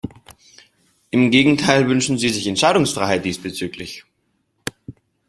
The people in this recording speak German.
Im Gegenteil wünschen sie sich Entscheidungsfreiheit diesbezüglich.